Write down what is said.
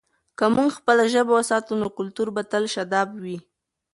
که موږ خپله ژبه وساتو، نو کلتور به تل شاداب وي.